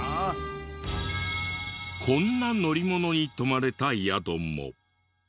こんな乗り物に泊まれた宿も。